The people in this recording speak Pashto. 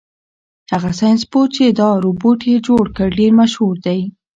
هغه ساینس پوه چې دا روبوټ یې جوړ کړ ډېر مشهور دی.